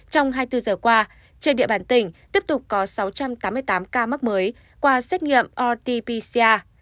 trong hai mươi bốn giờ qua trên địa bàn tỉnh tiếp tục có sáu trăm tám mươi tám ca mắc mới qua xét nghiệm rt pcr